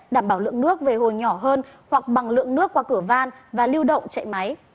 đảm bảo lượng nước về hồ nhỏ hơn hoặc bằng lượng nước qua cửa van và lưu động chạy máy